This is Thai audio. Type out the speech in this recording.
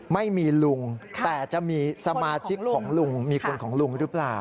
ไม่มีลุงแต่จะมีสมาชิกของลุงมีคนของลุงหรือเปล่า